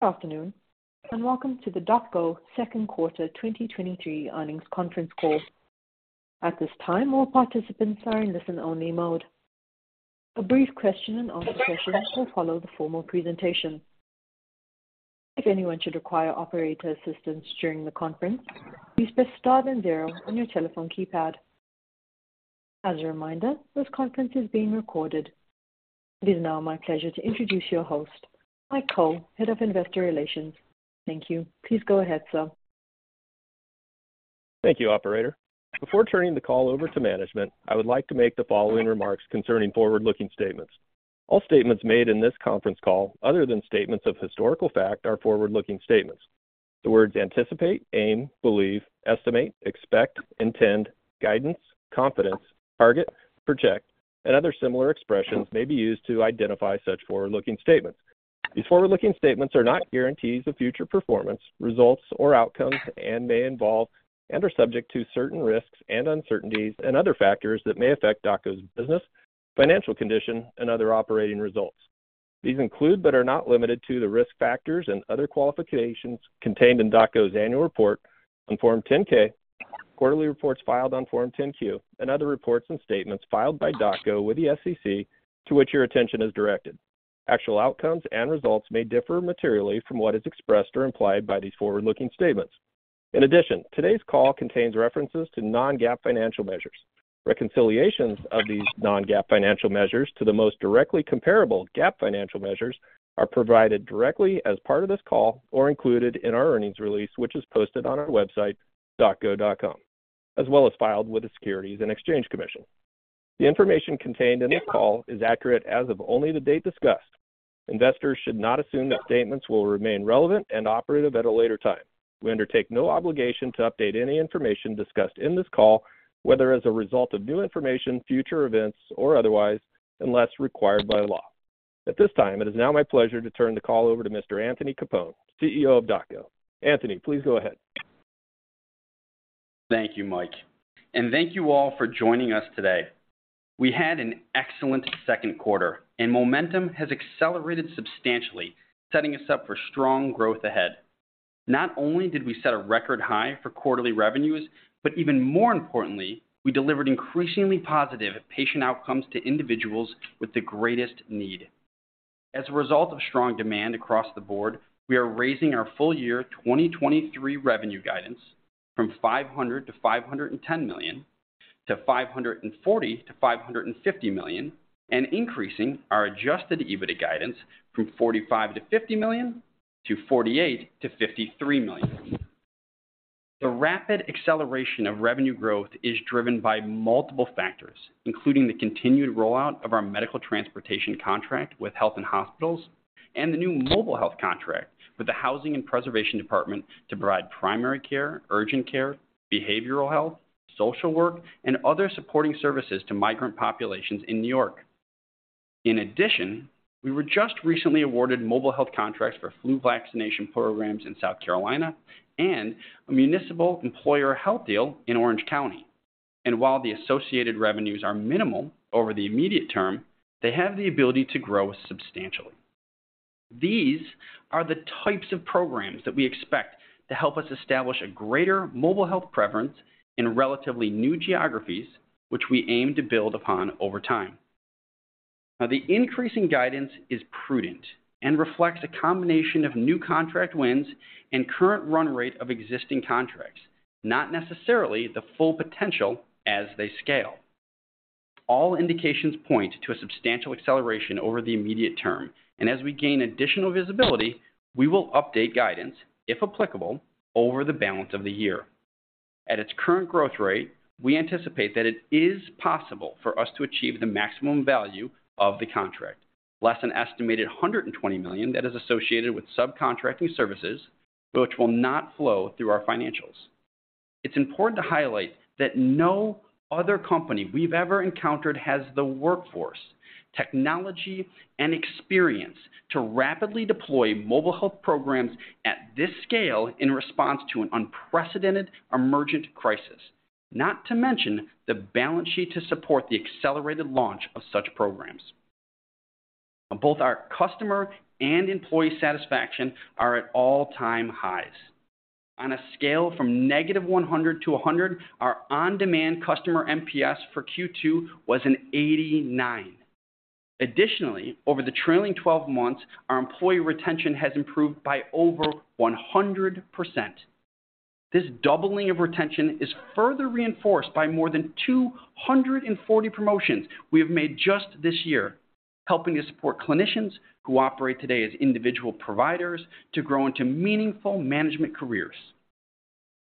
Good afternoon, and welcome to the DocGo second quarter 2023 earnings conference call. At this time, all participants are in listen-only mode. A brief question and answer session will follow the formal presentation. If anyone should require operator assistance during the conference, please press Star then Zero on your telephone keypad. As a reminder, this conference is being recorded. It is now my pleasure to introduce your host, Mike Cole, Head of Investor Relations. Thank you. Please go ahead, sir. Thank you, Operator. Before turning the call over to management, I would like to make the following remarks concerning forward-looking statements. All statements made in this conference call, other than statements of historical fact, are forward-looking statements. The words anticipate, aim, believe, estimate, expect, intend, guidance, confidence, target, project, and other similar expressions may be used to identify such forward-looking statements. These forward-looking statements are not guarantees of future performance, results, or outcomes and may involve and are subject to certain risks and uncertainties and other factors that may affect DocGo's business, financial condition, and other operating results. These include, but are not limited to, the risk factors and other qualifications contained in DocGo's annual report on Form 10-K, quarterly reports filed on Form 10-Q, and other reports and statements filed by DocGo with the SEC, to which your attention is directed. Actual outcomes and results may differ materially from what is expressed or implied by these forward-looking statements. Today's call contains references to non-GAAP financial measures. Reconciliations of these non-GAAP financial measures to the most directly comparable GAAP financial measures are provided directly as part of this call or included in our earnings release, which is posted on our website, docgo.com, as well as filed with the Securities and Exchange Commission. The information contained in this call is accurate as of only the date discussed. Investors should not assume that statements will remain relevant and operative at a later time. We undertake no obligation to update any information discussed in this call, whether as a result of new information, future events, or otherwise, unless required by law. At this time, it is now my pleasure to turn the call over to Mr. Anthony Capone, CEO of DocGo. Anthony, please go ahead. Thank you, Mike, and thank you all for joining us today. We had an excellent second quarter, and momentum has accelerated substantially, setting us up for strong growth ahead. Not only did we set a record high for quarterly revenues, but even more importantly, we delivered increasingly positive patient outcomes to individuals with the greatest need. As a result of strong demand across the board, we are raising our full year 2023 revenue guidance from $500 million-$510 million to $540 million-$550 million, and increasing our Adjusted EBITDA guidance from $45 million-$50 million to $48 million-$53 million. The rapid acceleration of revenue growth is driven by multiple factors, including the continued rollout of our medical transportation contract with NYC Health + Hospitals and the new mobile health contract with the Housing and Preservation Department to provide primary care, urgent care, behavioral health, social work, and other supporting services to migrant populations in New York. We were just recently awarded mobile health contracts for flu vaccination programs in South Carolina and a municipal employer health deal in Orange County. While the associated revenues are minimal over the immediate term, they have the ability to grow substantially. These are the types of programs that we expect to help us establish a greater mobile health presence in relatively new geographies, which we aim to build upon over time. Now, the increasing guidance is prudent and reflects a combination of new contract wins and current run rate of existing contracts, not necessarily the full potential as they scale. All indications point to a substantial acceleration over the immediate term, and as we gain additional visibility, we will update guidance, if applicable, over the balance of the year. At its current growth rate, we anticipate that it is possible for us to achieve the maximum value of the contract, less than estimated $120 million that is associated with subcontracting services, which will not flow through our financials. It's important to highlight that no other company we've ever encountered has the workforce, technology, and experience to rapidly deploy mobile health programs at this scale in response to an unprecedented emergent crisis, not to mention the balance sheet to support the accelerated launch of such programs. Both our customer and employee satisfaction are at all-time highs. On a scale from -100 to 100, our on-demand customer NPS for Q2 was an 89. Additionally, over the trailing 12 months, our employee retention has improved by over 100%. This doubling of retention is further reinforced by more than 240 promotions we have made just this year, helping to support clinicians who operate today as individual providers to grow into meaningful management careers.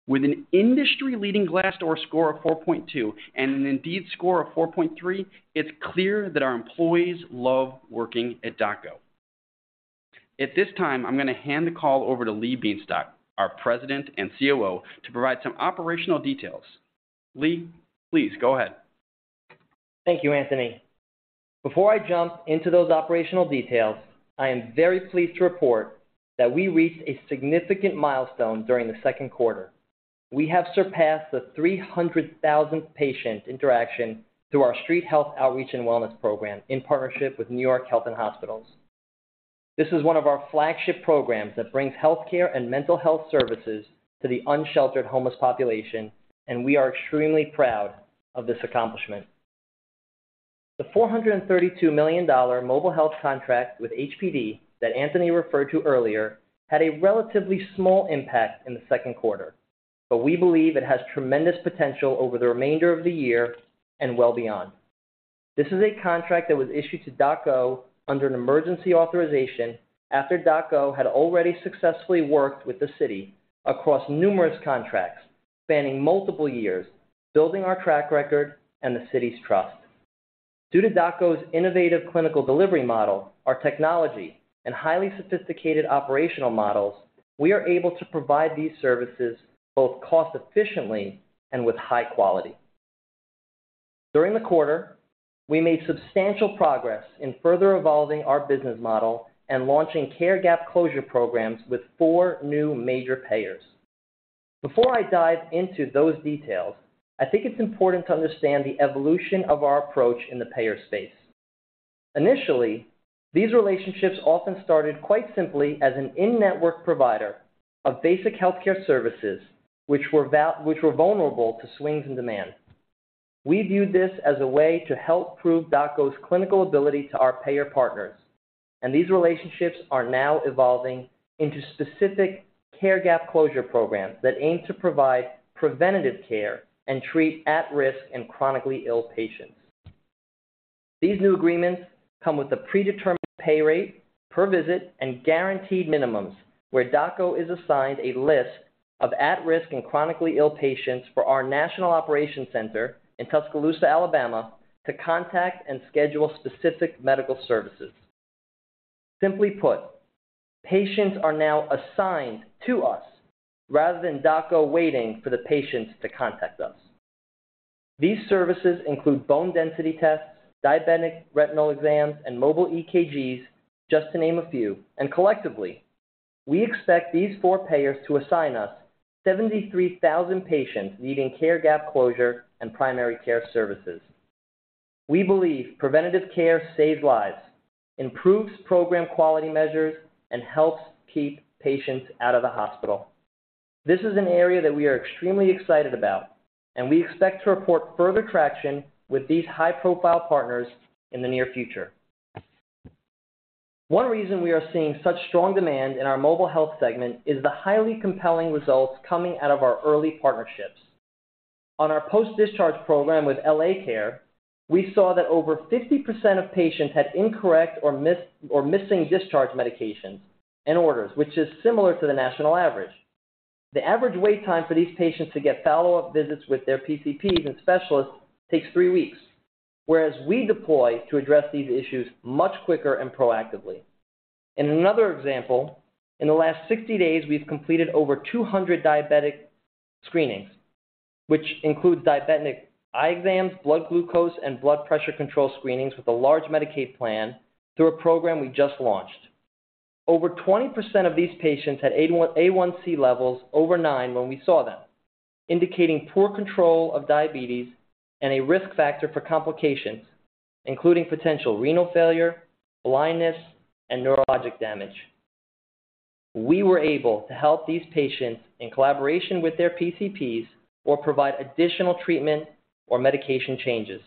With an industry-leading Glassdoor score of 4.2 and an Indeed score of 4.3, it's clear that our employees love working at DocGo. At this time, I'm going to hand the call over to Lee Bienstock, our President and COO, to provide some operational details. Lee, please go ahead. Thank you, Anthony. Before I jump into those operational details, I am very pleased to report that we reached a significant milestone during the second quarter. We have surpassed the 300,000th patient interaction through our Street Health Outreach and Wellness program in partnership with NYC Health + Hospitals. This is one of our flagship programs that brings healthcare and mental health services to the unsheltered homeless population, and we are extremely proud of this accomplishment. The $432 million mobile health contract with HPD that Anthony referred to earlier, had a relatively small impact in the second quarter, we believe it has tremendous potential over the remainder of the year and well beyond. This is a contract that was issued to DocGo under an emergency authorization after DocGo had already successfully worked with the city across numerous contracts spanning multiple years, building our track record and the city's trust. Due to DocGo's innovative clinical delivery model, our technology, and highly sophisticated operational models, we are able to provide these services both cost-efficiently and with high quality. During the quarter, we made substantial progress in further evolving our business model and launching care gap closure programs with four new major payers. Before I dive into those details, I think it's important to understand the evolution of our approach in the payer space. Initially, these relationships often started quite simply as an in-network provider of basic healthcare services, which were vulnerable to swings in demand. We viewed this as a way to help prove DocGo's clinical ability to our payer partners, these relationships are now evolving into specific care gap closure programs that aim to provide preventative care and treat at-risk and chronically ill patients. These new agreements come with a predetermined pay rate per visit and guaranteed minimums, where DocGo is assigned a list of at-risk and chronically ill patients for our national operations center in Tuscaloosa, Alabama, to contact and schedule specific medical services. Simply put, patients are now assigned to us rather than DocGo waiting for the patients to contact us. These services include bone density tests, diabetic retinal exams, and mobile EKGs, just to name a few. Collectively, we expect these four payers to assign us 73,000 patients needing care gap closure and primary care services. We believe preventative care saves lives, improves program quality measures, and helps keep patients out of the hospital. This is an area that we are extremely excited about, and we expect to report further traction with these high-profile partners in the near future. One reason we are seeing such strong demand in our mobile health segment is the highly compelling results coming out of our early partnerships. On our post-discharge program with LA Care, we saw that over 50% of patients had incorrect or missing discharge medications and orders, which is similar to the national average. The average wait time for these patients to get follow-up visits with their PCPs and specialists takes three weeks, whereas we deploy to address these issues much quicker and proactively. In another example, in the last 60 days, we've completed over 200 diabetic screenings, which include diabetic eye exams, blood glucose, and blood pressure control screenings with a large Medicaid plan through a program we just launched. Over 20% of these patients had A1C levels over nine when we saw them, indicating poor control of diabetes and a risk factor for complications, including potential renal failure, blindness, and neurologic damage. We were able to help these patients in collaboration with their PCPs or provide additional treatment or medication changes.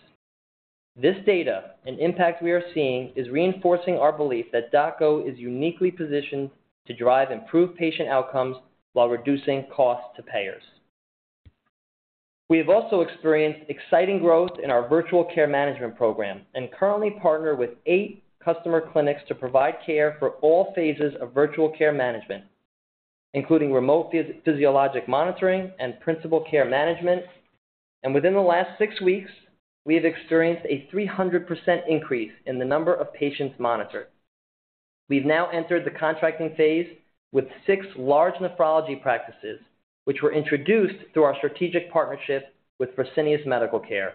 This data and impact we are seeing is reinforcing our belief that DocGo is uniquely positioned to drive improved patient outcomes while reducing costs to payers. We have also experienced exciting growth in our virtual care management program and currently partner with eight customer clinics to provide care for all phases of virtual care management, including remote physiologic monitoring and principal care management. Within the last six weeks, we have experienced a 300% increase in the number of patients monitored. We've now entered the contracting phase with six large nephrology practices, which were introduced through our strategic partnership with Fresenius Medical Care.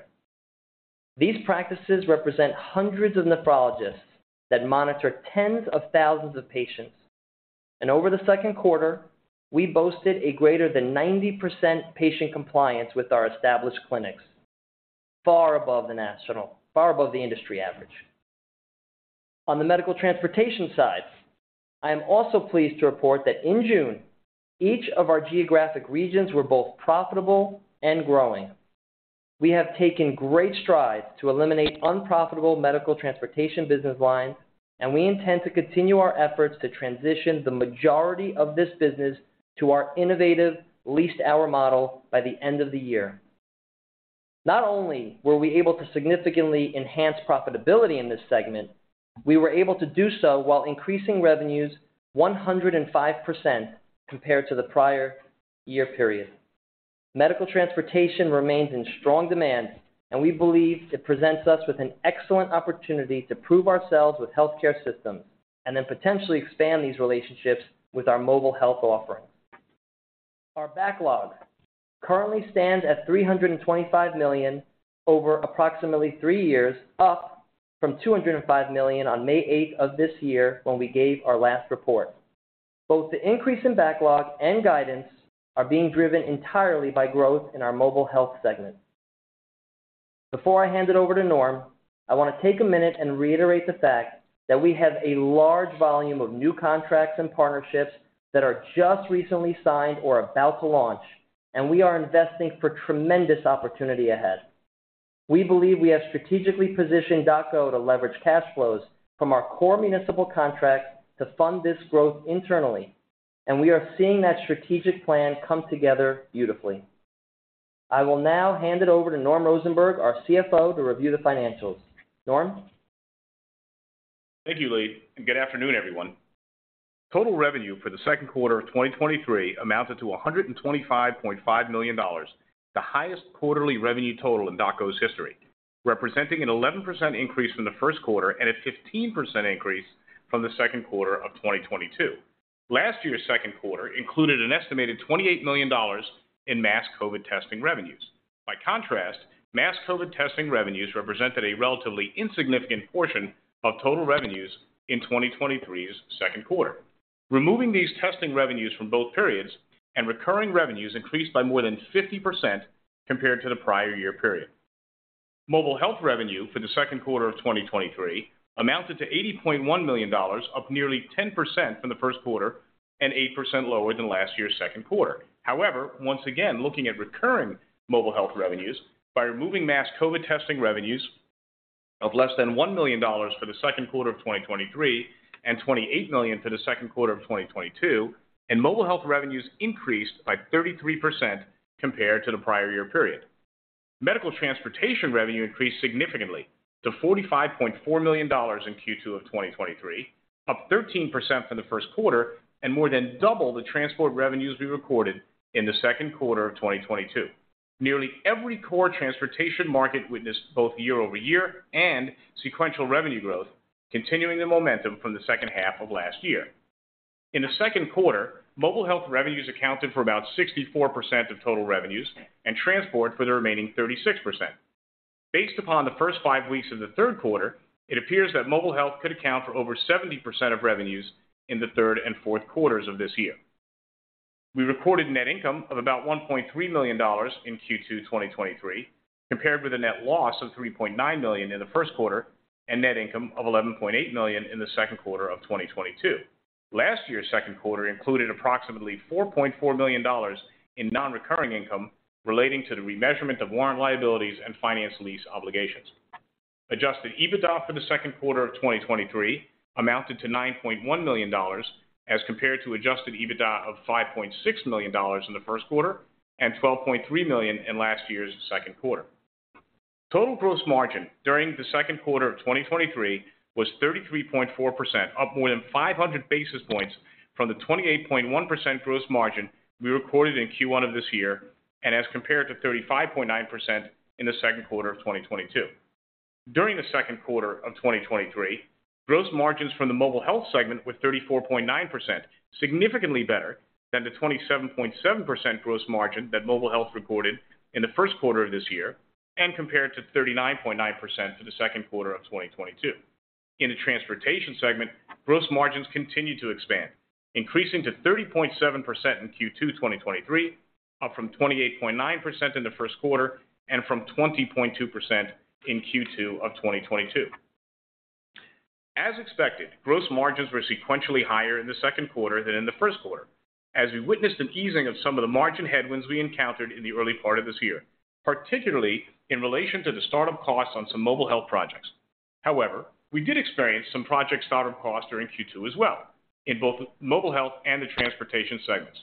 These practices represent hundreds of nephrologists that monitor tens of thousands of patients. Over the second quarter, we boasted a greater than 90% patient compliance with our established clinics, far above the industry average. On the medical transportation side, I am also pleased to report that in June, each of our geographic regions were both profitable and growing. We have taken great strides to eliminate unprofitable medical transportation business lines, and we intend to continue our efforts to transition the majority of this business to our innovative leased hour model by the end of the year. Not only were we able to significantly enhance profitability in this segment, we were able to do so while increasing revenues 105% compared to the prior year period. We believe it presents us with an excellent opportunity to prove ourselves with healthcare systems and then potentially expand these relationships with our mobile health offerings. Our backlog currently stands at $325 million over approximately three years, from $205 million on May 8th of this year when we gave our last report. Both the increase in backlog and guidance are being driven entirely by growth in our mobile health segment. Before I hand it over to Norm, I want to take a minute and reiterate the fact that we have a large volume of new contracts and partnerships that are just recently signed or about to launch, and we are investing for tremendous opportunity ahead. We believe we have strategically positioned DocGo to leverage cash flows from our core municipal contracts to fund this growth internally, and we are seeing that strategic plan come together beautifully. I will now hand it over to Norm Rosenberg, our CFO, to review the financials. Norm? Thank you, Lee. Good afternoon, everyone. Total revenue for the second quarter of 2023 amounted to $125.5 million, the highest quarterly revenue total in DocGo's history, representing an 11% increase from the first quarter and a 15% increase from the second quarter of 2022. Last year's second quarter included an estimated $28 million in mass COVID testing revenues. By contrast, mass COVID testing revenues represented a relatively insignificant portion of total revenues in 2023's second quarter. Removing these testing revenues from both periods, recurring revenues increased by more than 50% compared to the prior year period. Mobile health revenue for the second quarter of 2023 amounted to $80.1 million, up nearly 10% from the first quarter and 8% lower than last year's second quarter. However, once again, looking at recurring mobile health revenues by removing mass COVID testing revenues of less than $1 million for the second quarter of 2023 and $28 million for the second quarter of 2022, mobile health revenues increased by 33% compared to the prior year period. Medical transportation revenue increased significantly to $45.4 million in Q2 of 2023, up 13% from the first quarter and more than double the transport revenues we recorded in the second quarter of 2022. Nearly every core transportation market witnessed both year-over-year and sequential revenue growth, continuing the momentum from the second half of last year. In the second quarter, mobile health revenues accounted for about 64% of total revenues and transport for the remaining 36%. Based upon the first five weeks of the third quarter, it appears that mobile health could account for over 70% of revenues in the third and fourth quarters of this year. We recorded net income of about $1.3 million in Q2 2023, compared with a net loss of $3.9 million in the first quarter and net income of $11.8 million in the second quarter of 2022. Last year's second quarter included approximately $4.4 million in non-recurring income relating to the remeasurement of warrant liabilities and finance lease obligations. Adjusted EBITDA for the second quarter of 2023 amounted to $9.1 million, as compared to Adjusted EBITDA of $5.6 million in the first quarter and $12.3 million in last year's second quarter. Total gross margin during the second quarter of 2023 was 33.4%, up more than 500 basis points from the 28.1% gross margin we recorded in Q1 of this year, and as compared to 35.9% in the second quarter of 2022. During the second quarter of 2023, gross margins from the mobile health segment were 34.9%, significantly better than the 27.7% gross margin that mobile health recorded in the first quarter of this year, and compared to 39.9% for the second quarter of 2022. In the transportation segment, gross margins continued to expand, increasing to 30.7% in Q2 2023, up from 28.9% in the first quarter and from 20.2% in Q2 of 2022. As expected, gross margins were sequentially higher in the second quarter than in the first quarter, as we witnessed an easing of some of the margin headwinds we encountered in the early part of this year, particularly in relation to the startup costs on some mobile health projects. We did experience some project startup costs during Q2 as well in both mobile health and the transportation segments.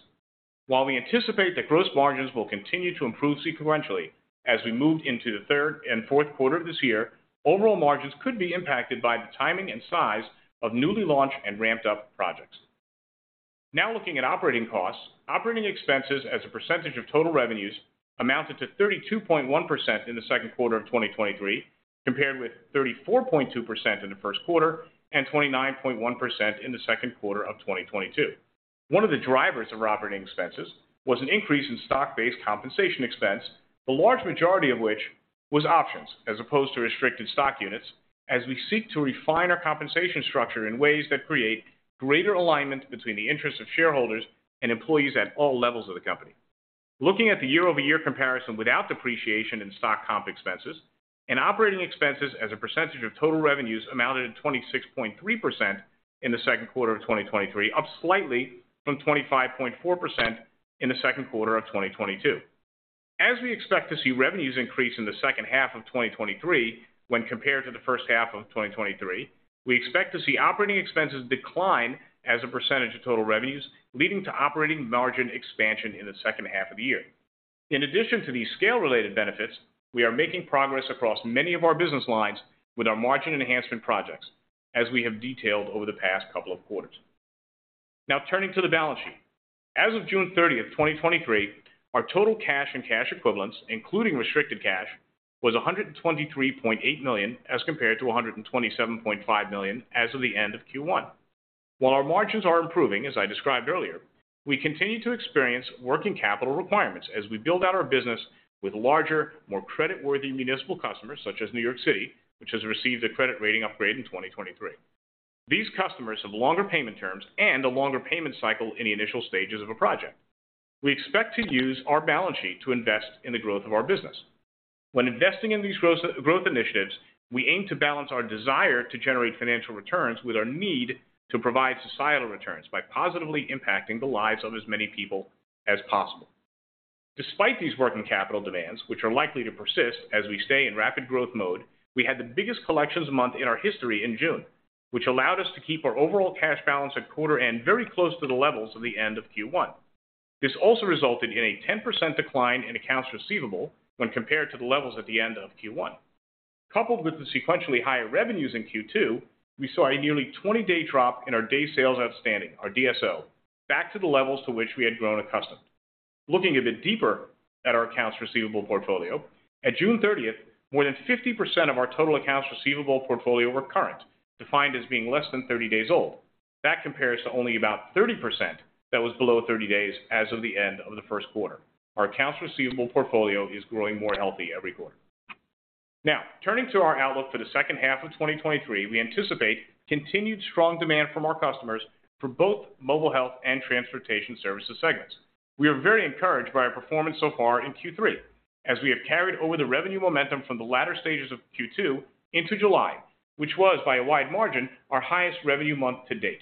While we anticipate that gross margins will continue to improve sequentially as we move into the third and fourth quarter of this year, overall margins could be impacted by the timing and size of newly launched and ramped up projects. Looking at operating costs. Operating expenses as a percentage of total revenues amounted to 32.1% in the second quarter of 2023, compared with 34.2% in the first quarter and 29.1% in the second quarter of 2022. One of the drivers of operating expenses was an increase in stock-based compensation expense, the large majority of which was options as opposed to restricted stock units, as we seek to refine our compensation structure in ways that create greater alignment between the interests of shareholders and employees at all levels of the company. Looking at the year-over-year comparison without depreciation in stock comp expenses and operating expenses as a percentage of total revenues amounted to 26.3% in the second quarter of 2023, up slightly from 25.4% in the second quarter of 2022. As we expect to see revenues increase in the second half of 2023 when compared to the first half of 2023, we expect to see operating expenses decline as a percentage of total revenues, leading to operating margin expansion in the second half of the year. In addition to these scale-related benefits, we are making progress across many of our business lines with our margin enhancement projects, as we have detailed over the past couple of quarters. Now, turning to the balance sheet. As of June 30, 2023, our total cash and cash equivalents, including restricted cash, was $123.8 million, as compared to $127.5 million as of the end of Q1. While our margins are improving, as I described earlier, we continue to experience working capital requirements as we build out our business with larger, more creditworthy municipal customers, such as New York City, which has received a credit rating upgrade in 2023. These customers have longer payment terms and a longer payment cycle in the initial stages of a project. We expect to use our balance sheet to invest in the growth of our business. When investing in these growth initiatives, we aim to balance our desire to generate financial returns with our need to provide societal returns by positively impacting the lives of as many people as possible. Despite these working capital demands, which are likely to persist as we stay in rapid growth mode, we had the biggest collections month in our history in June, which allowed us to keep our overall cash balance at quarter end very close to the levels of the end of Q1. This also resulted in a 10% decline in accounts receivable when compared to the levels at the end of Q1. Coupled with the sequentially higher revenues in Q2, we saw a nearly 20-day drop in our days sales outstanding, our DSO, back to the levels to which we had grown accustomed. Looking a bit deeper at our accounts receivable portfolio, at June 30th, more than 50% of our total accounts receivable portfolio were current, defined as being less than 30 days old. That compares to only about 30% that was below 30 days as of the end of the 1st quarter. Our accounts receivable portfolio is growing more healthy every quarter. Now, turning to our outlook for the second half of 2023, we anticipate continued strong demand from our customers for both mobile health and transportation services segments. We are very encouraged by our performance so far in Q3, as we have carried over the revenue momentum from the latter stages of Q2 into July, which was, by a wide margin, our highest revenue month to date.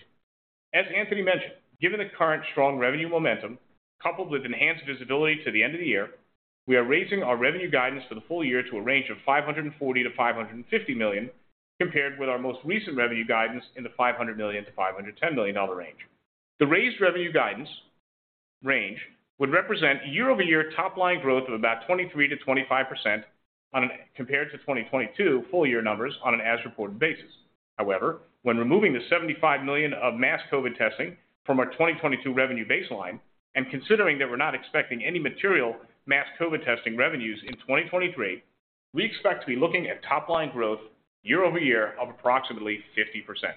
As Anthony mentioned, given the current strong revenue momentum, coupled with enhanced visibility to the end of the year, we are raising our revenue guidance for the full year to a range of $540 million-$550 million, compared with our most recent revenue guidance in the $500 million-$510 million range. The raised revenue guidance range would represent a year-over-year top line growth of about 23%-25%. Compared to 2022 full year numbers on an as-reported basis. However, when removing the $75 million of mass COVID testing from our 2022 revenue baseline, and considering that we're not expecting any material mass COVID testing revenues in 2023, we expect to be looking at top line growth year-over-year of approximately 50%.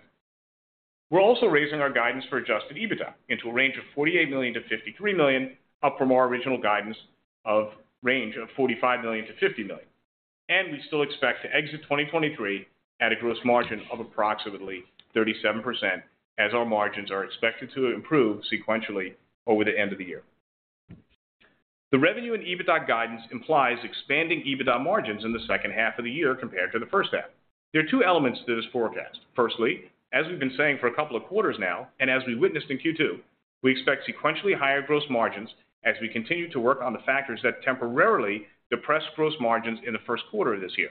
We're also raising our guidance for Adjusted EBITDA into a range of $48 million-$53 million, up from our original guidance of range of $45 million-$50 million. We still expect to exit 2023 at a gross margin of approximately 37%, as our margins are expected to improve sequentially over the end of the year. The revenue and EBITDA guidance implies expanding EBITDA margins in the second half of the year compared to the first half. There are two elements to this forecast. Firstly, as we've been saying for a couple of quarters now, and as we witnessed in Q2, we expect sequentially higher gross margins as we continue to work on the factors that temporarily depressed gross margins in the first quarter of this year.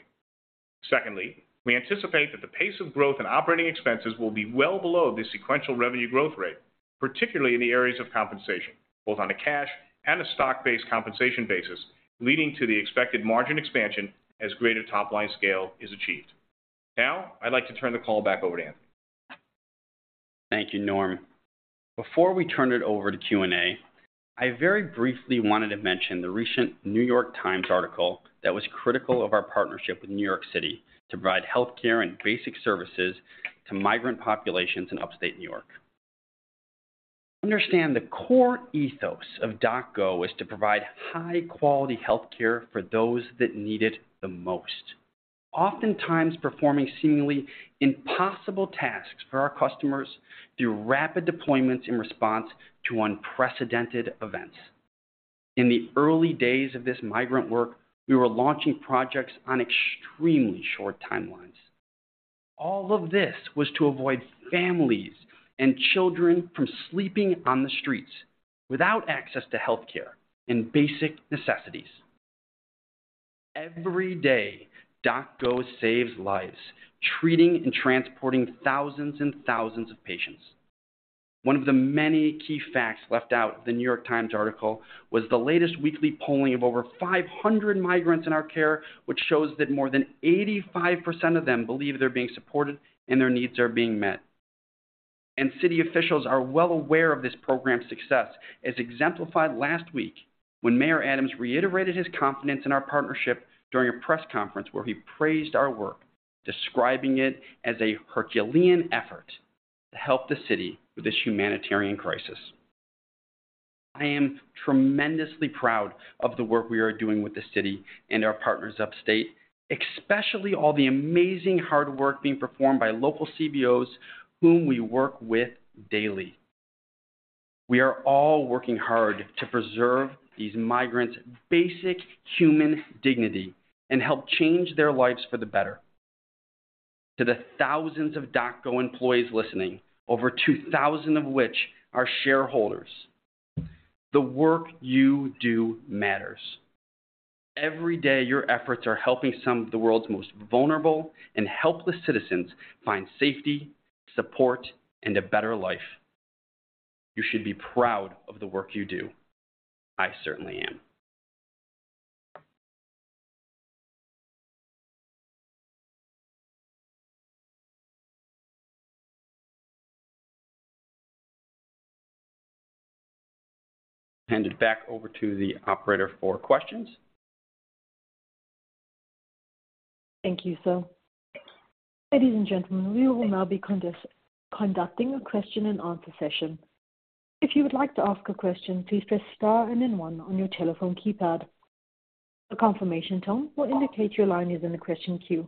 Secondly, we anticipate that the pace of growth in operating expenses will be well below the sequential revenue growth rate, particularly in the areas of compensation, both on a cash and a stock-based compensation basis, leading to the expected margin expansion as greater top-line scale is achieved. Now, I'd like to turn the call back over to Anthony. Thank you, Norm. Before we turn it over to Q&A, I very briefly wanted to mention the recent New York Times article that was critical of our partnership with New York City to provide healthcare and basic services to migrant populations in upstate New York. Understand, the core ethos of DocGo is to provide high-quality healthcare for those that need it the most, oftentimes performing seemingly impossible tasks for our customers through rapid deployments in response to unprecedented events. In the early days of this migrant work, we were launching projects on extremely short timelines. All of this was to avoid families and children from sleeping on the streets without access to healthcare and basic necessities. Every day, DocGo saves lives, treating and transporting thousands and thousands of patients. One of the many key facts left out in the New York Times article was the latest weekly polling of over 500 migrants in our care, which shows that more than 85% of them believe they're being supported and their needs are being met. City officials are well aware of this program's success, as exemplified last week when Mayor Adams reiterated his confidence in our partnership during a press conference where he praised our work, describing it as a Herculean effort to help the city with this humanitarian crisis. I am tremendously proud of the work we are doing with the city and our partners upstate, especially all the amazing hard work being performed by local CBOs, whom we work with daily. We are all working hard to preserve these migrants' basic human dignity and help change their lives for the better. To the thousands of DocGo employees listening, over 2,000 of which are shareholders, the work you do matters. Every day, your efforts are helping some of the world's most vulnerable and helpless citizens find safety, support, and a better life. You should be proud of the work you do. I certainly am. Hand it back over to the operator for questions. Thank you, sir. Ladies and gentlemen, we will now be conducting a question-and-answer session. If you would like to ask a question, please press Star and then one on your telephone keypad. A confirmation tone will indicate your line is in the question queue.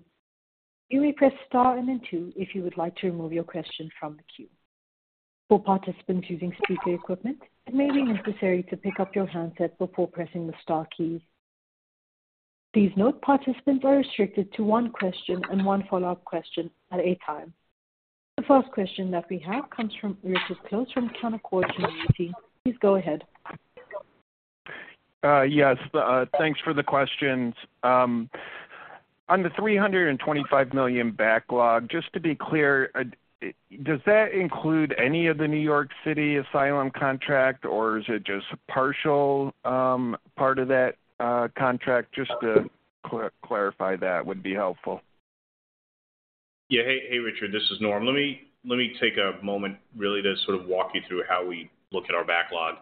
You may press Star and then two if you would like to remove your question from the queue. For participants using speaker equipment, it may be necessary to pick up your handset before pressing the star key. Please note, participants are restricted to one question and one follow-up question at a time. The first question that we have comes from Richard Close from Canaccord Genuity. Please go ahead. Yes, thanks for the questions. On the $325 million backlog, just to be clear, does that include any of the New York City asylum contract, or is it just a partial part of that contract? Just to clarify that would be helpful. Yeah. Hey, hey, Richard, this is Norm. Let me, let me take a moment really to sort of walk you through how we look at our backlog.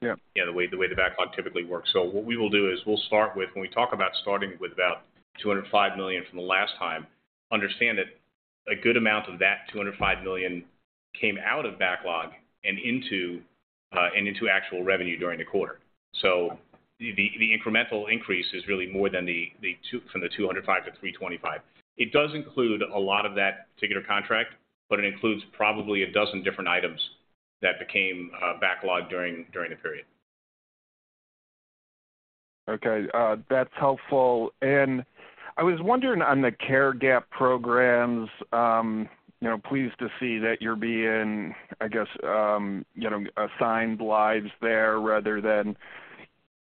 Yeah. Yeah, the way, the way the backlog typically works. What we will do is we'll start with... When we talk about starting with about $205 million from the last time, understand that a good amount of that $205 million came out of backlog and into actual revenue during the quarter. The, the, the incremental increase is really more than the, the two-- from the $205 to $325. It does include a lot of that particular contract, but it includes probably 12 different items that became backlog during, during the period. Okay, that's helpful. I was wondering on the care gap programs, you know, pleased to see that you're being, I guess, you know, assigned lives there rather than,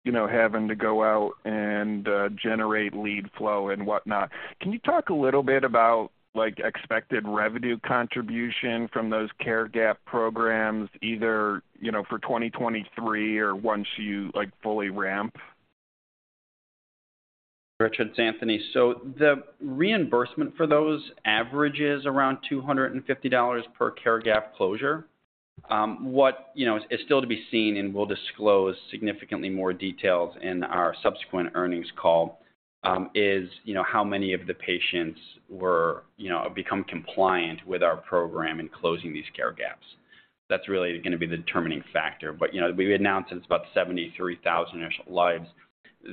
you know, having to go out and generate lead flow and whatnot. Can you talk a little bit about, like, expected revenue contribution from those care gap programs, either, you know, for 2023 or once you, like, fully ramp? Richard, it's Anthony. The reimbursement for those averages around $250 per care gap closure. What, you know, is still to be seen, and we'll disclose significantly more details in our subsequent earnings call, is, you know, how many of the patients were, you know, become compliant with our program in closing these care gaps. That's really gonna be the determining factor. You know, we've announced it's about 73,000 initial lives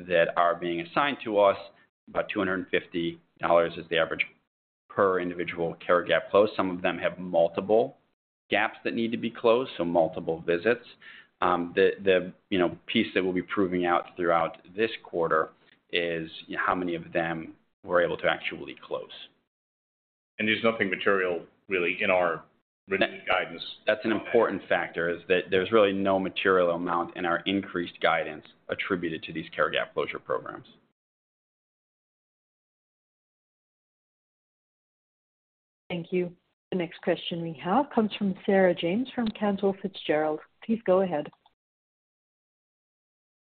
that are being assigned to us. About $250 is the average per individual care gap close. Some of them have multiple gaps that need to be closed, so multiple visits. The, the, you know, piece that we'll be proving out throughout this quarter is, how many of them we're able to actually close. There's nothing material really in our revenue guidance. That's an important factor, is that there's really no material amount in our increased guidance attributed to these care gap closure programs. Thank you. The next question we have comes from Sarah James, from Cantor Fitzgerald. Please go ahead.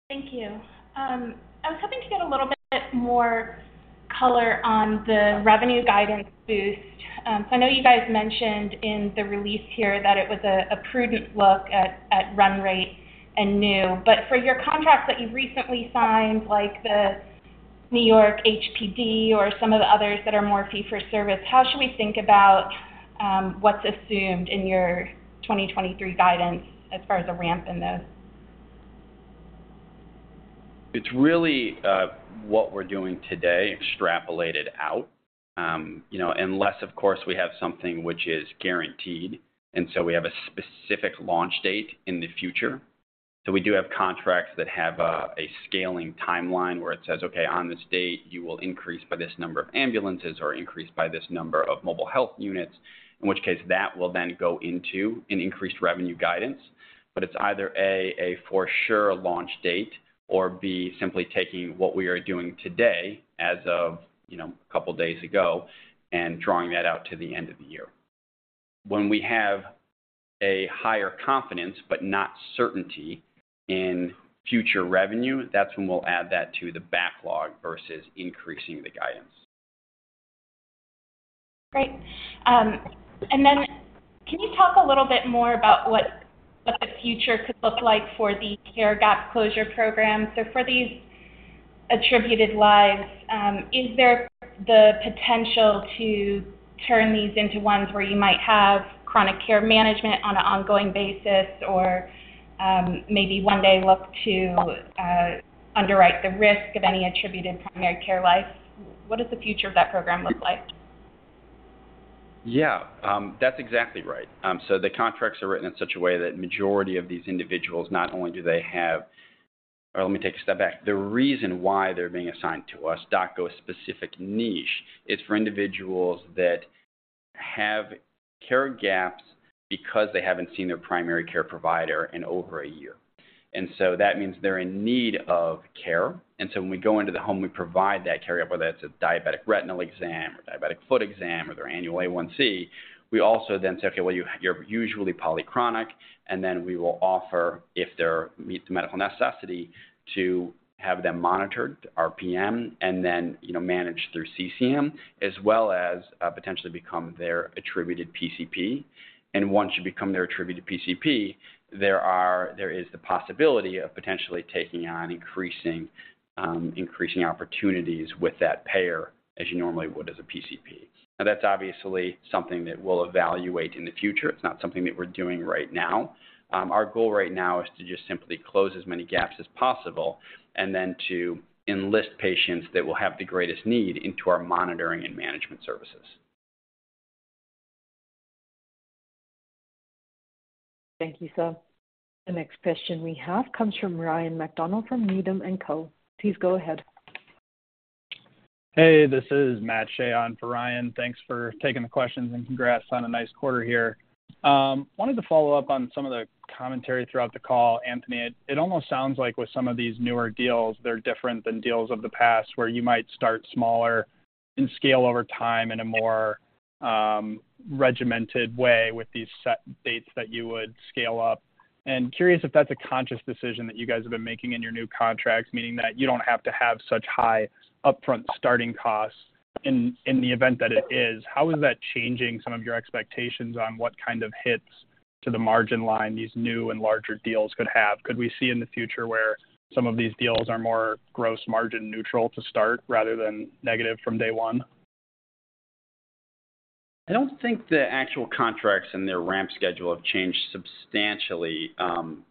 Thank you. I was hoping to get a little bit more color on the revenue guidance boost. I know you guys mentioned in the release here that it was a prudent look at run rate and new. For your contracts that you recently signed, like the New York HPD or some of the others that are more fee for service, how should we think about what's assumed in your 2023 guidance as far as a ramp in those? It's really what we're doing today, extrapolated out. You know, unless, of course, we have something which is guaranteed, and so we have a specific launch date in the future. We do have contracts that have a scaling timeline where it says, "Okay, on this date, you will increase by this number of ambulances or increase by this number of mobile health units," in which case that will then go into an increased revenue guidance. It's either, A, a for sure launch date, or B, simply taking what we are doing today as of, you know, a couple days ago and drawing that out to the end of the year. When we have a higher confidence, but not certainty, in future revenue, that's when we'll add that to the backlog versus increasing the guidance. Great. Can you talk a little bit more about what, what the future could look like for the care gap closure program? For these attributed lives, is there the potential to turn these into ones where you might have chronic care management on an ongoing basis or, maybe one day look to underwrite the risk of any attributed primary care life? What does the future of that program look like? Yeah, that's exactly right. So the contracts are written in such a way that majority of these individuals, not only do they have... Or let me take a step back. The reason why they're being assigned to us, DocGo's specific niche, is for individuals that have care gaps because they haven't seen their primary care provider in over a year. So that means they're in need of care. So when we go into the home, we provide that care, whether that's a diabetic retinal exam or diabetic foot exam or their annual A1C. We also then say, "Okay, well, you, you're usually polychronic," and then we will offer, if there meet the medical necessity, to have them monitored, RPM, and then, you know, managed through CCM, as well as potentially become their attributed PCP. Once you become their attributed PCP, there is the possibility of potentially taking on increasing increasing opportunities with that payer, as you normally would as a PCP. That's obviously something that we'll evaluate in the future. It's not something that we're doing right now. Our goal right now is to just simply close as many gaps as possible, and then to enlist patients that will have the greatest need into our monitoring and management services. Thank you, sir. The next question we have comes from Ryan MacDonald from Needham & Company. Please go ahead. Hey, this is Matt Shea on for Ryan. Thanks for taking the questions, and congrats on a nice quarter here. Wanted to follow up on some of the commentary throughout the call. Anthony, it almost sounds like with some of these newer deals, they're different than deals of the past, where you might start smaller and scale over time in a more regimented way with these set dates that you would scale up. Curious if that's a conscious decision that you guys have been making in your new contracts, meaning that you don't have to have such high upfront starting costs. In the event that it is, how is that changing some of your expectations on what kind of hits to the margin line these new and larger deals could have? Could we see in the future where some of these deals are more gross margin neutral to start, rather than negative from day one? I don't think the actual contracts and their ramp schedule have changed substantially,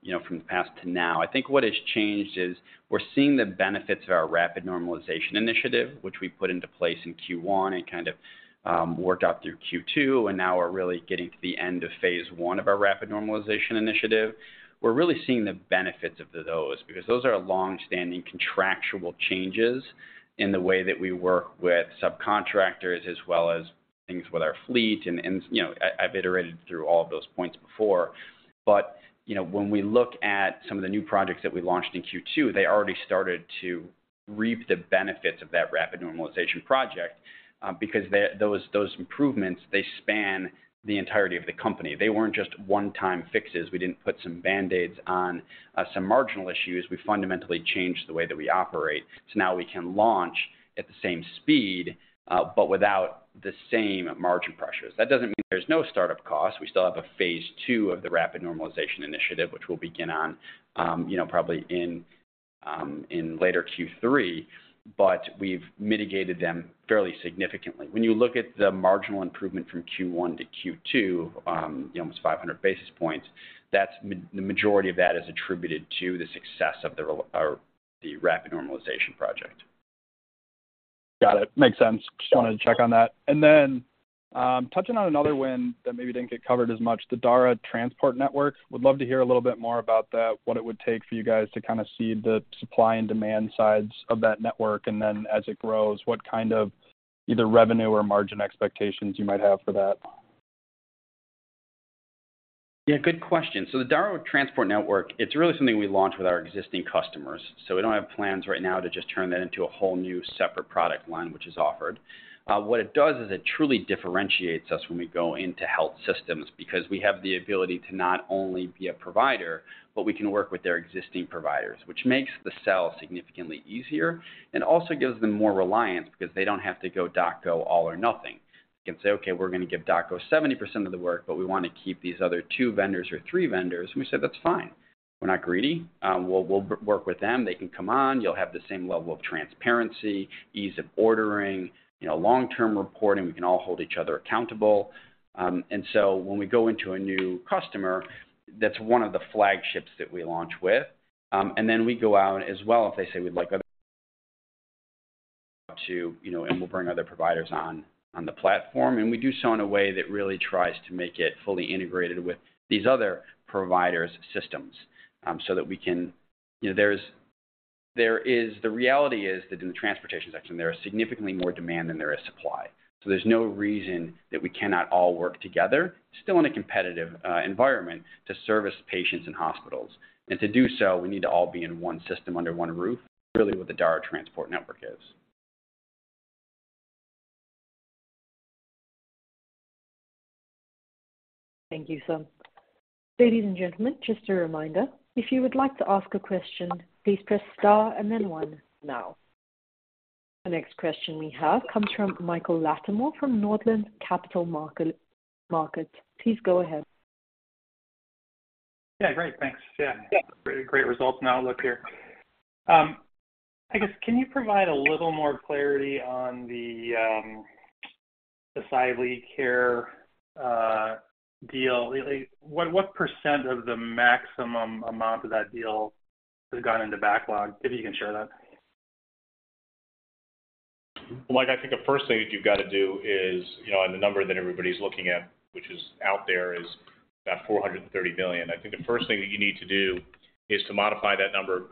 you know, from the past to now. I think what has changed is we're seeing the benefits of our rapid normalization initiative, which we put into place in Q1 and kind of worked out through Q2, and now we're really getting to the end of phase one of our rapid normalization initiative. We're really seeing the benefits of those, because those are long-standing contractual changes in the way that we work with subcontractors, as well as things with our fleet. You know, I've iterated through all of those points before, but, you know, when we look at some of the new projects that we launched in Q2, they already started to reap the benefits of that rapid normalization project, because those, those improvements, they span the entirety of the company. They weren't just one-time fixes. We didn't put some Band-Aids on some marginal issues. We fundamentally changed the way that we operate. Now we can launch at the same speed, but without the same margin pressures. That doesn't mean there's no startup costs. We still have a phase two of the rapid normalization initiative, which we'll begin on, you know, probably in later Q3, but we've mitigated them fairly significantly. When you look at the marginal improvement from Q1 to Q2, you know, almost 500 basis points, the majority of that is attributed to the success of the rapid normalization project. Got it. Makes sense. Sure. Just wanted to check on that. Then, touching on another win that maybe didn't get covered as much, the Dara Transport Network. Would love to hear a little bit more about that, what it would take for you guys to kind of see the supply and demand sides of that network, and then as it grows, what kind of either revenue or margin expectations you might have for that? Yeah, good question. The Dara Transport Network, it's really something we launched with our existing customers. We don't have plans right now to just turn that into a whole new separate product line, which is offered. What it does is it truly differentiates us when we go into health systems, because we have the ability to not only be a provider, but we can work with their existing providers, which makes the sell significantly easier and also gives them more reliance because they don't have to go DocGo all or nothing. They can say, "Okay, we're going to give DocGo 70% of the work, but we want to keep these other two vendors or three vendors." We say, "That's fine. We're not greedy. We'll, we'll work with them. They can come on. You'll have the same level of transparency, ease of ordering, you know, long-term reporting. We can all hold each other accountable." When we go into a new customer, that's one of the flagships that we launch with. We go out as well, if they say, "We'd like other to," you know, and we'll bring other providers on, on the platform, and we do so in a way that really tries to make it fully integrated with these other providers' systems, so that we can... You know, there's there is the reality is that in the transportation section, there is significantly more demand than there is supply. There's no reason that we cannot all work together, still in a competitive environment, to service patients in hospitals. To do so, we need to all be in one system under one roof. Really what the Dara Transport Network is. Thank you, sir. Ladies and gentlemen, just a reminder, if you would like to ask a question, please press star and then one now. The next question we have comes from Michael Latimore from Northland Capital Markets. Please go ahead. Yeah, great. Thanks. Yeah. Yeah. Great results and outlook here. I guess, can you provide a little more clarity on the Sidely Care deal? What percent of the maximum amount of that deal has gone into backlog, if you can share that? Well, Mike, I think the first thing that you've got to do is, you know, on the number that everybody's looking at, which is out there, is about $430 billion. I think the first thing that you need to do is to modify that number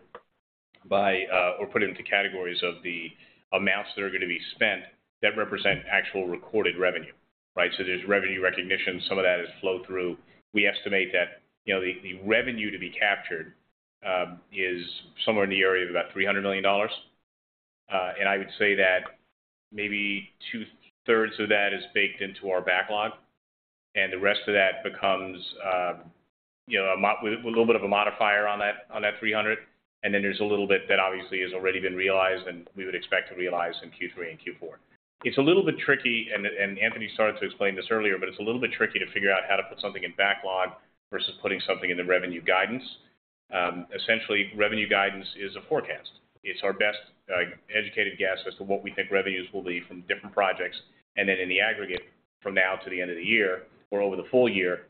by or put into categories of the amounts that are going to be spent that represent actual recorded revenue, right? There's revenue recognition. Some of that is flow-through. We estimate that, you know, the, the revenue to be captured, is somewhere in the area of about $300 million. I would say that maybe 2/3 of that is baked into our backlog, and the rest of that becomes, you know, with a little bit of a modifier on that, on that $300, and then there's a little bit that obviously has already been realized and we would expect to realize in Q3 and Q4. It's a little bit tricky, and Anthony started to explain this earlier, but it's a little bit tricky to figure out how to put something in backlog versus putting something in the revenue guidance. Essentially, revenue guidance is a forecast. It's our best, educated guess as to what we think revenues will be from different projects, and then in the aggregate, from now to the end of the year or over the full year.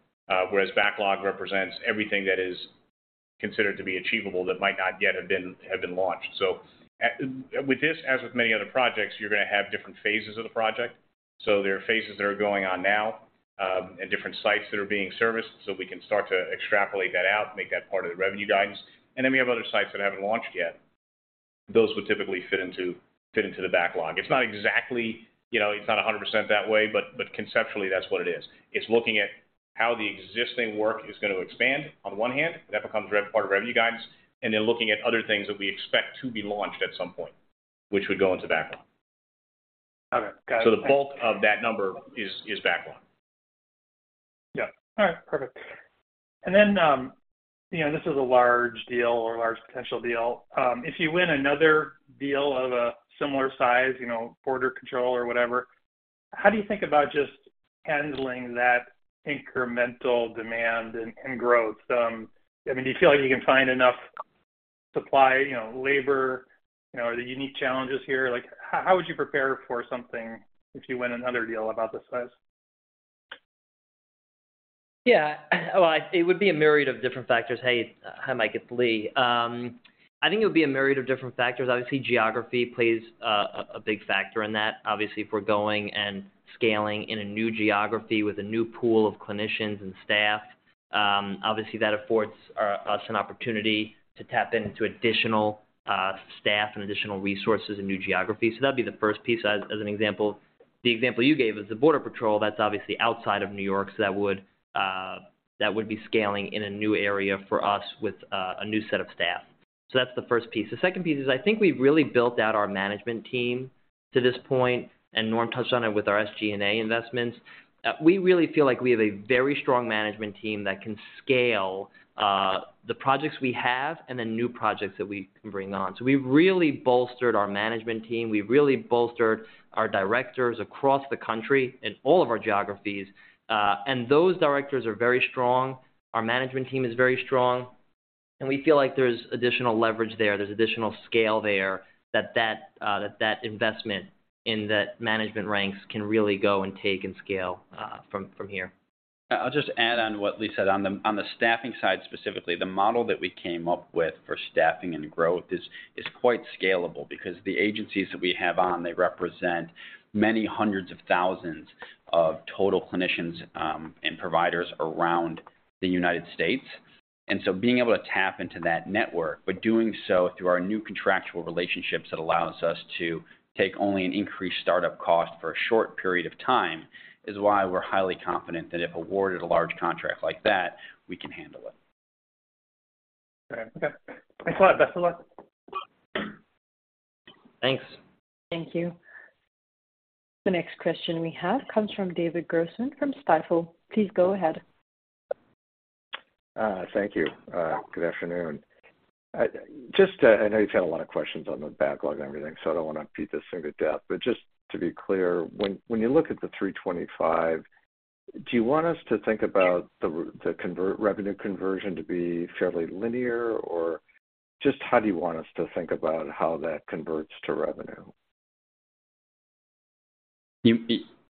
Whereas backlog represents everything that is considered to be achievable that might not yet have been launched. With this, as with many other projects, you're going to have different phases of the project. There are phases that are going on now, and different sites that are being serviced. We can start to extrapolate that out, make that part of the revenue guidance, and then we have other sites that haven't launched yet. Those would typically fit into the backlog. It's not exactly, you know, it's not 100% that way, but, but conceptually, that's what it is. It's looking at how the existing work is going to expand on one hand, that becomes part of revenue guidance, and then looking at other things that we expect to be launched at some point, which would go into backlog. Okay, got it. The bulk of that number is backlog. Yeah. All right, perfect. Then, you know, this is a large deal or a large potential deal. If you win another deal of a similar size, you know, border control or whatever, how do you think about just handling that incremental demand and, and growth? I mean, do you feel like you can find enough supply, you know, labor, you know, are there unique challenges here? Like, how, how would you prepare for something if you win another deal about this size? Yeah, well, it would be a myriad of different factors. Hey, hi, Mike, it's Lee. I think it would be a myriad of different factors. Obviously, geography plays a big factor in that. Obviously, if we're going and scaling in a new geography with a new pool of clinicians and staff, obviously, that affords us an opportunity to tap into additional staff and additional resources and new geographies. That'd be the first piece. As an example, the example you gave is the border patrol, that's obviously outside of New York, so that would be scaling in a new area for us with a new set of staff. That's the first piece. The second piece is, I think we've really built out our management team to this point, and Norm touched on it with our SG&A investments. We really feel like we have a very strong management team that can scale the projects we have and the new projects that we can bring on. We've really bolstered our management team. We've really bolstered our directors across the country in all of our geographies, and those directors are very strong. Our management team is very strong, and we feel like there's additional leverage there, there's additional scale there, that that, that that investment in that management ranks can really go and take and scale from, from here. I'll just add on what Lee said. On the staffing side, specifically, the model that we came up with for staffing and growth is, is quite scalable because the agencies that we have on, they represent many hundreds of thousands of total clinicians and providers around the United States. Being able to tap into that network, but doing so through our new contractual relationships, that allows us to take only an increased start-up cost for a short period of time, is why we're highly confident that if awarded a large contract like that, we can handle it. Okay. Thanks a lot. Best of luck. Thanks. Thank you. The next question we have comes from David Grossman from Stifel. Please go ahead. Thank you. Good afternoon. I know you've had a lot of questions on the backlog and everything, so I don't want to beat this thing to death, but just to be clear, when, when you look at the 325, do you want us to think about the revenue conversion to be fairly linear, or just how do you want us to think about how that converts to revenue?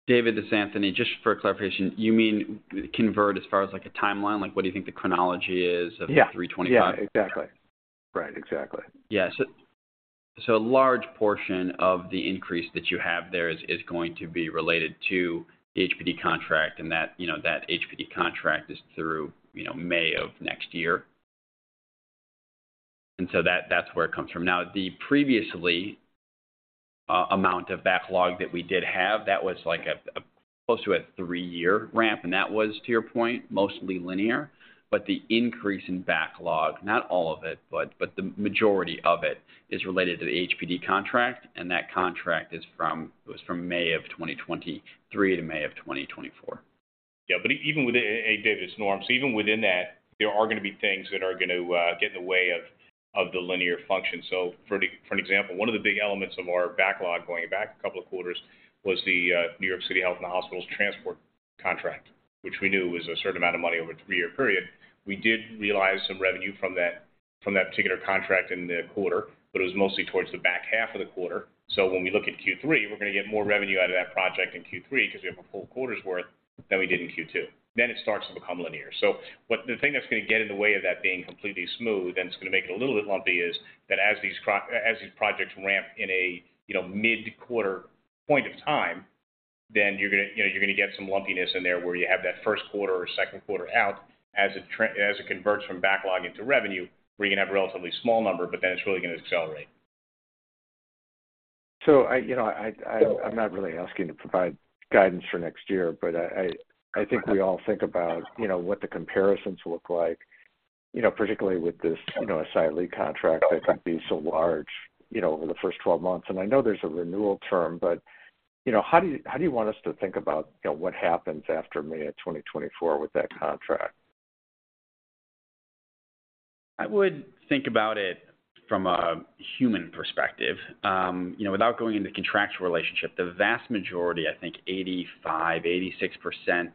David, this is Anthony. Just for clarification, you mean convert as far as, like, a timeline? Like, what do you think the chronology is? Yeah. Of the 325? Yeah, exactly. Right, exactly. Yeah, so, so a large portion of the increase that you have there is, is going to be related to the HPD contract, and that, you know, that HPD contract is through, you know, May of next year. So that's where it comes from. Now, the previously amount of backlog that we did have, that was like a close to a three-year ramp, and that was, to your point, mostly linear. The increase in backlog, not all of it, but, but the majority of it, is related to the HPD contract, and that contract is from... It was from May of 2023 to May of 2024. Yeah, even with, hey, David, it's Norm. Even within that, there are going to be things that are going to get in the way of the linear function. For an example, one of the big elements of our backlog going back a couple of quarters was the NYC Health + Hospitals transport contract, which we knew was a certain amount of money over a three-year period. We did realize some revenue from that particular contract in the quarter, it was mostly towards the back half of the quarter. When we look at Q3, we're going to get more revenue out of that project in Q3, because we have a full quarter's worth than we did in Q2. It starts to become linear. The thing that's going to get in the way of that being completely smooth, and it's going to make it a little bit lumpy, is that as these as these projects ramp in a, you know, mid-quarter point of time, then you're gonna, you know, you're gonna get some lumpiness in there where you have that first quarter or second quarter out as it as it converts from backlog into revenue, where you're gonna have a relatively small number, but then it's really gonna accelerate. I, you know, I, I, I'm not really asking to provide guidance for next year, but I, I, I think we all think about, you know, what the comparisons look like, you know, particularly with this, you know, asylum contract that can be so large, you know, over the first 12 months. I know there's a renewal term, but, you know, how do you, how do you want us to think about, you know, what happens after May of 2024 with that contract? I would think about it from a human perspective. You know, without going into the contractual relationship, the vast majority, I think 85%-86%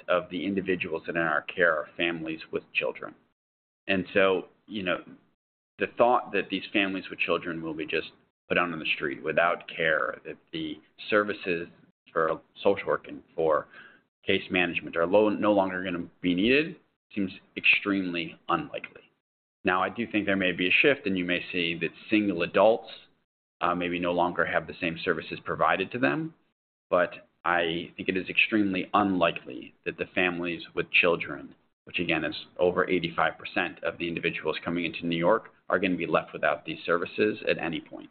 of the individuals that are in our care are families with children. So, you know, the thought that these families with children will be just put out on the street without care, that the services for social working, for case management are no longer gonna be needed, seems extremely unlikely. Now, I do think there may be a shift, and you may see that single adults, maybe no longer have the same services provided to them, but I think it is extremely unlikely that the families with children, which again, is over 85% of the individuals coming into New York, are gonna be left without these services at any point.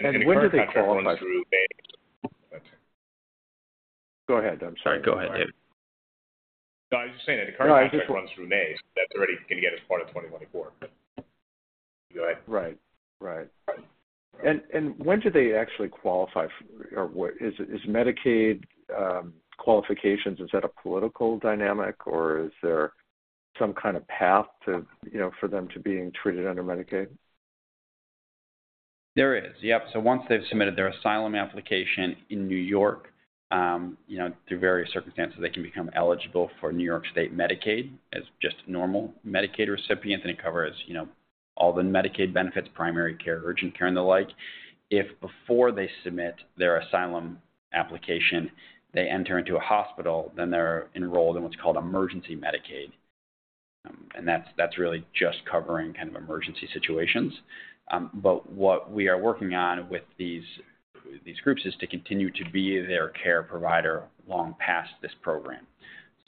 When do they qualify? The current contract runs through May. Go ahead. I'm sorry. Go ahead, David. No, I was just saying that the current contract runs through May. That's already going to get us part of 2024. Go ahead. Right. Right. Right. When do they actually qualify for, Is Medicaid qualifications, is that a political dynamic, or is there some kind of path to, you know, for them to being treated under Medicaid? There is, yep. Once they've submitted their asylum application in New York, you know, through various circumstances, they can become eligible for New York State Medicaid as just normal Medicaid recipients. It covers, you know, all the Medicaid benefits, primary care, urgent care, and the like. If before they submit their asylum application, they enter into a hospital, then they're enrolled in what's called Emergency Medicaid. That's, that's really just covering kind of emergency situations. What we are working on with these, these groups is to continue to be their care provider long past this program.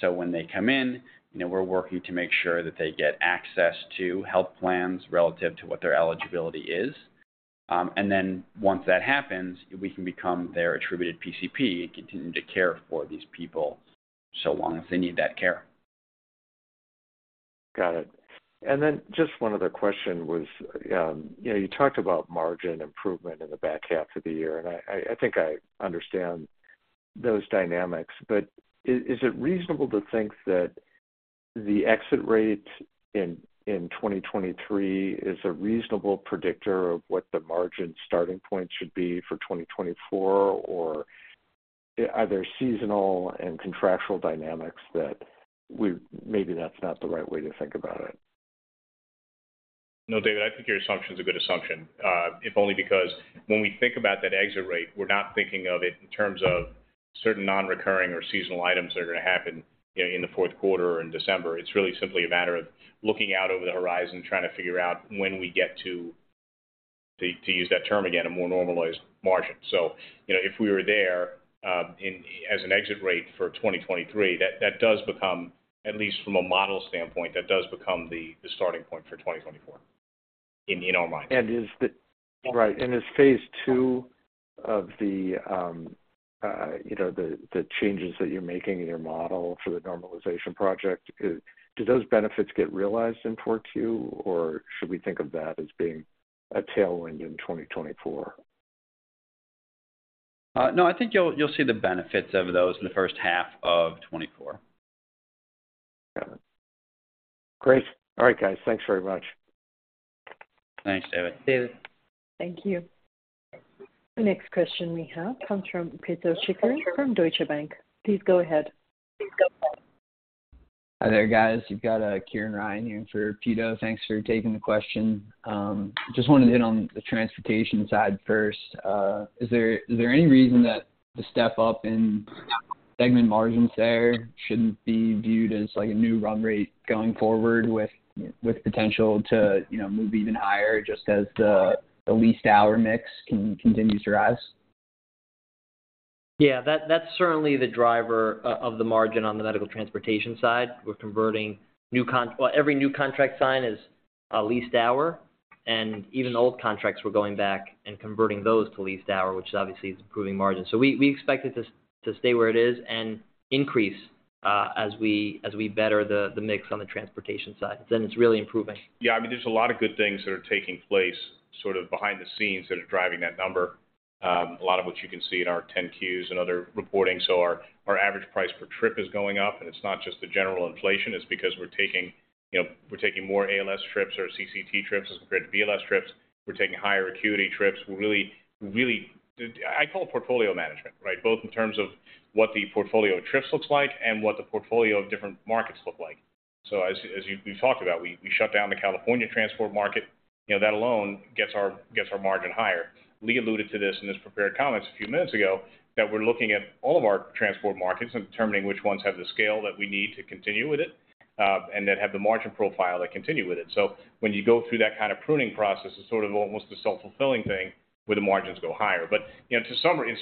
When they come in, you know, we're working to make sure that they get access to health plans relative to what their eligibility is. Then once that happens, we can become their attributed PCP and continue to care for these people, so long as they need that care. Got it. Then just one other question was, you know, you talked about margin improvement in the back half of the year, and I, I, I think I understand those dynamics. Is, is it reasonable to think that the exit rate in 2023 is a reasonable predictor of what the margin starting point should be for 2024? Are there seasonal and contractual dynamics that maybe that's not the right way to think about it. No, David, I think your assumption is a good assumption, if only because when we think about that exit rate, we're not thinking of it in terms of certain non-recurring or seasonal items that are gonna happen, you know, in the fourth quarter or in December. It's really simply a matter of looking out over the horizon, trying to figure out when we get to use that term again, a more normalized margin. You know, if we were there, as an exit rate for 2023, that does become, at least from a model standpoint, that does become the, the starting point for 2024 in, in our mind. Right. Is phase two of the, you know, the, the changes that you're making in your model for the normalization project, do those benefits get realized in Q2, or should we think of that as being a tailwind in 2024? No, I think you'll, you'll see the benefits of those in the first half of 2024. Got it. Great. Alright, guys. Thanks very much. Thanks, David. David. Thank you. The next question we have comes from Pito Chickering from Deutsche Bank. Please go ahead. Hi there, guys. You've got Kieran Ryan here for Pito. Thanks for taking the question. Just wanted to hit on the transportation side first. Is there, is there any reason that the step up in segment margins there shouldn't be viewed as like a new run rate going forward with, with potential to, you know, move even higher just as the leased hour mix continues to rise? Yeah, that, that's certainly the driver of the margin on the medical transportation side. We're converting new con-- Well, every new contract signed is a leased hour, even old contracts, we're going back and converting those to leased hour, which obviously is improving margins. We, we expect it to stay where it is and increase as we, as we better the, the mix on the transportation side, it's really improving. Yeah, I mean, there's a lot of good things that are taking place sort of behind the scenes that are driving that number, a lot of which you can see in our 10-Qs and other reporting. Our, our average price per trip is going up, and it's not just the general inflation, it's because we're taking, you know, we're taking more ALS trips or CCT trips as compared to BLS trips. We're taking higher acuity trips. We're really, really... I call it portfolio management, right? Both in terms of what the portfolio of trips looks like and what the portfolio of different markets look like. As we've talked about, we, we shut down the California transport market. You know, that alone gets our, gets our margin higher. Lee alluded to this in his prepared comments a few minutes ago, that we're looking at all of our transport markets and determining which ones have the scale that we need to continue with it, and that have the margin profile to continue with it. When you go through that kind of pruning process, it's sort of almost a self-fulfilling thing, where the margins go higher. You know, in summary,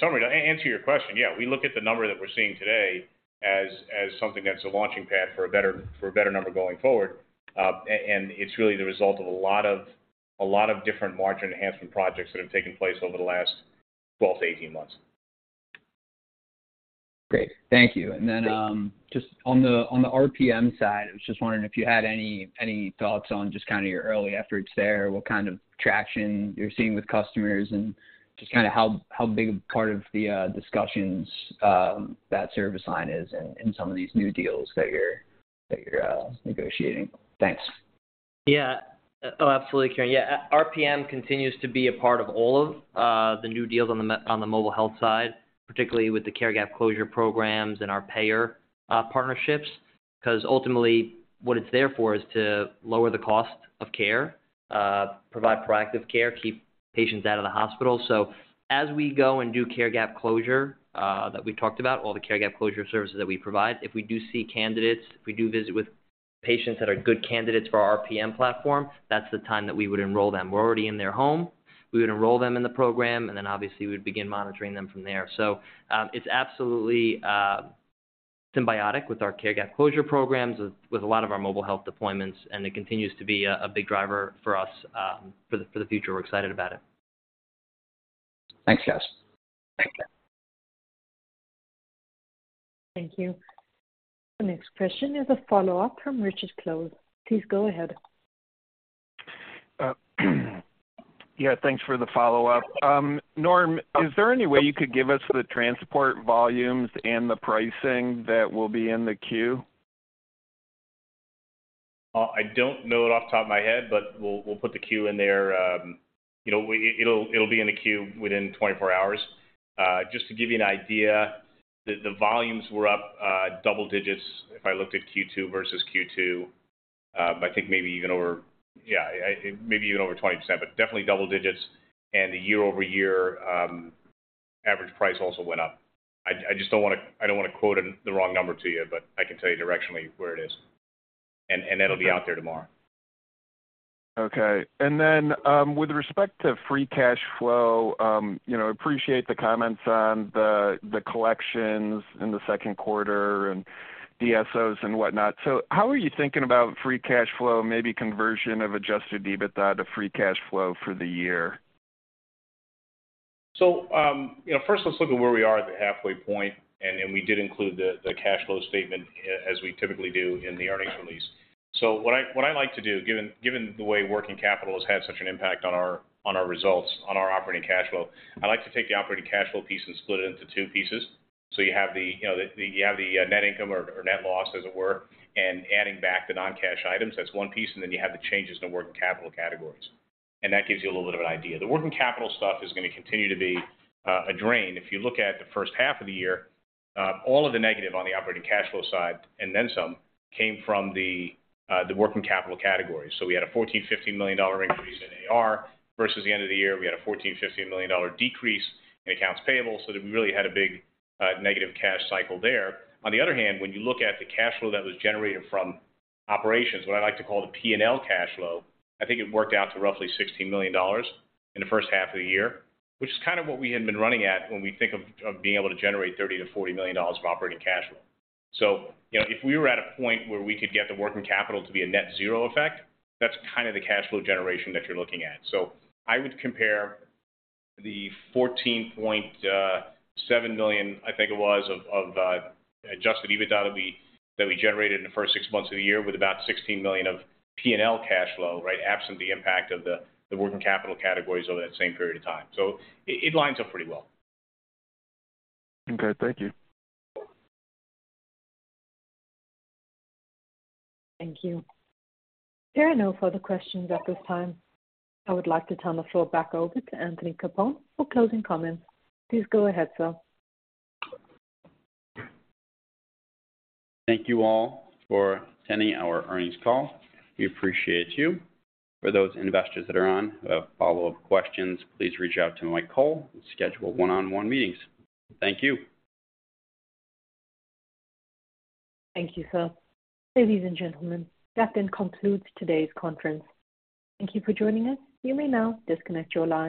answer your question, yeah, we look at the number that we're seeing today as, as something that's a launching pad for a better, for a better number going forward. And it's really the result of a lot of, a lot of different margin enhancement projects that have taken place over the last 12 months-18 months. Great. Thank you. Then, just on the, on the RPM side, I was just wondering if you had any, any thoughts on just kind of your early efforts there, what kind of traction you're seeing with customers, and just kind of how, how big a part of the discussions, that service line is in, in some of these new deals that you're, that you're, negotiating? Thanks. Yeah. Oh, absolutely, Kieran. Yeah, RPM continues to be a part of all of the new deals on the mobile health side, particularly with the care gap closure programs and our payer partnerships. Ultimately, what it's there for is to lower the cost of care, provide proactive care, keep patients out of the hospital. As we go and do care gap closure, that we talked about, all the care gap closure services that we provide, if we do see candidates, if we do visit with patients that are good candidates for our RPM platform, that's the time that we would enroll them. We're already in their home. We would enroll them in the program, then, obviously, we'd begin monitoring them from there. It's absolutely symbiotic with our care gap closure programs, with, with a lot of our mobile health deployments, and it continues to be a, a big driver for us, for the, for the future. We're excited about it. Thanks, guys. Thank you. Thank you. The next question is a follow-up from Richard Close. Please go ahead. Yeah, thanks for the follow-up. Norm, is there any way you could give us the transport volumes and the pricing that will be in the queue? I don't know it off the top of my head, but we'll put the queue in there. you know, it'll be in the queue within 24 hours. just to give you an idea, the volumes were up, double digits if I looked at Q2 versus Q2, but I think maybe even over... maybe even over 20%, but definitely double digits. The year-over-year average price also went up. I just don't wanna quote it, the wrong number to you, but I can tell you directionally where it is. That'll be out there tomorrow. Okay. With respect to free cash flow, you know, appreciate the comments on the, the collections in the second quarter and DSOs and whatnot. How are you thinking about free cash flow, maybe conversion of Adjusted EBITDA to free cash flow for the year? You know, first, let's look at where we are at the halfway point, and we did include the cash flow statement as we typically do in the earnings release. What I like to do, given the way working capital has had such an impact on our results, on our operating cash flow, I like to take the operating cash flow piece and split it into two pieces. You have the, you know, the net income or net loss, as it were, and adding back the non-cash items. That's one piece, and then you have the changes in the working capital categories, and that gives you a little bit of an idea. The working capital stuff is gonna continue to be a drain. If you look at the first half of the year, all of the negative on the operating cash flow side, and then some, came from the, the working capital category. We had a $14 million-$15 million increase in AR, versus the end of the year, we had a $14 million-$15 million decrease in accounts payable, so we really had a big, negative cash cycle there. When you look at the cash flow that was generated from operations, what I like to call the P&L cash flow, I think it worked out to roughly $16 million in the first half of the year, which is kind of what we had been running at when we think of, of being able to generate $30 million-$40 million of operating cash flow. You know, if we were at a point where we could get the working capital to be a net zero effect, that's kind of the cash flow generation that you're looking at. I would compare the $14.7 million, I think it was, of, of, Adjusted EBITDA that we, that we generated in the first six months of the year, with about $16 million of P&L cash flow, right, absent the impact of the, the working capital categories over that same period of time. It, it lines up pretty well. Okay. Thank you. Thank you. There are no further questions at this time. I would like to turn the floor back over to Anthony Capone for closing comments. Please go ahead, sir. Thank you all for attending our earnings call. We appreciate you. For those investors that are on who have follow-up questions, please reach out to Mike Cole and schedule one-on-one meetings. Thank you. Thank you, sir. Ladies and gentlemen, that then concludes today's conference. Thank you for joining us. You may now disconnect your line.